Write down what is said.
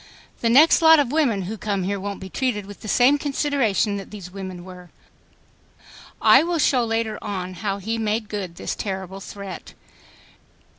The next lot of women who come here won't be treated with the same consideration that these women were." I will show later on how he made good this terrible threat.